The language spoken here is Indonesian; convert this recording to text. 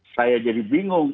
saya jadi bingung